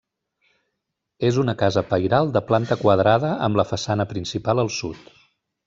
És una casa pairal de planta quadrada, amb la façana principal al sud.